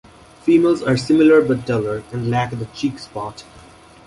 Females are similar but duller, and lack the cheek spot.